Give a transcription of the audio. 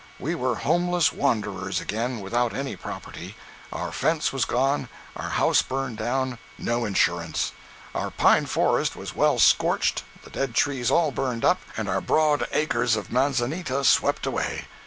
We were homeless wanderers again, without any property. Our fence was gone, our house burned down; no insurance. Our pine forest was well scorched, the dead trees all burned up, and our broad acres of manzanita swept away.